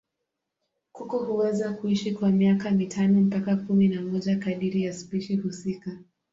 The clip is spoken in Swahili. Kuku huweza kuishi kwa miaka mitano mpaka kumi na moja kadiri ya spishi husika.